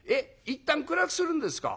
いったん暗くするんですか？